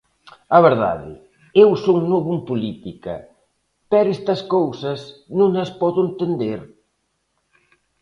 A verdade: eu son novo en política, pero estas cousas non as podo entender.